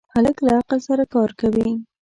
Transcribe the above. هلک له عقل سره کار کوي.